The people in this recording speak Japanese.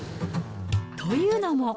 というのも。